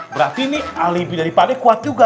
berarti ini alibi dari pade kuat juga